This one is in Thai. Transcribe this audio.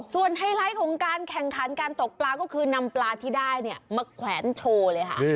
ส่วนไฮไลท์ของการแข่งขันการตกปลาก็คือนำปลาที่ได้เนี่ยมาแขวนโชว์เลยค่ะ